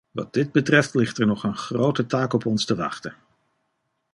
Wat dit betreft ligt er nog een grote taak op ons te wachten.